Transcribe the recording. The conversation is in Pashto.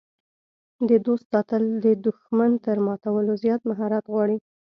د دوست ساتل د دښمن تر ماتولو زیات مهارت غواړي.